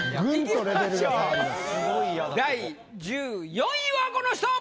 第１４位はこの人！